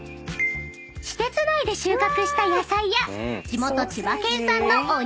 ［施設内で収穫した野菜や地元千葉県産のお肉］